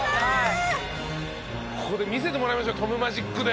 ここで見せてもらいましょうトムマジックで！